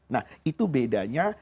nah itu bedanya